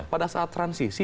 pada saat transisi